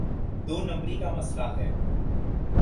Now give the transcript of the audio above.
دو نمبری کا مسئلہ ہے۔